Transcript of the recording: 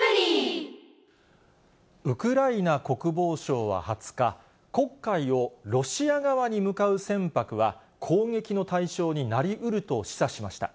ウクライナ国防省は２０日、黒海をロシア側に向かう船舶は攻撃の対象になりうると示唆しました。